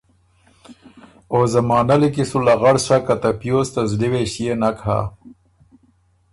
او زمانۀ لیکی سو لغړ سۀ که ته پیوز ته زلی وې ݭيې نک هۀ۔